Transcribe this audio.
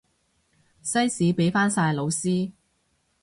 西史畀返晒老師